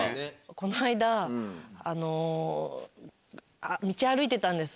この間道歩いてたんです。